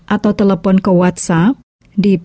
atau telepon ke whatsapp